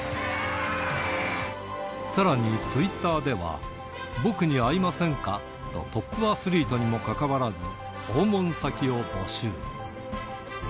さらに、ツイッターでは、僕に会いませんか？とトップアスリートにもかかわらず、訪問先を募集。